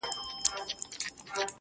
کاڼی مي د چا په لاس کي وليدی.